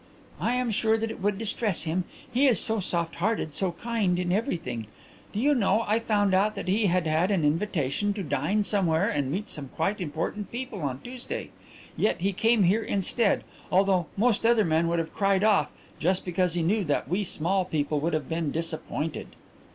"I am sure that it would distress him. He is so soft hearted, so kind, in everything. Do you know, I found out that he had had an invitation to dine somewhere and meet some quite important people on Tuesday. Yet he came here instead, although most other men would have cried off, just because he knew that we small people would have been disappointed."